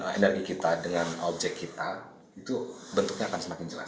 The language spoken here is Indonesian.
energi kita dengan objek kita itu bentuknya akan semakin jelas